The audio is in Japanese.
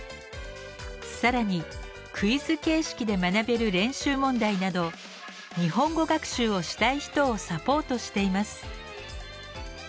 さらにクイズ形式で学べる練習問題など日本語学習をしたい人をサポートしています。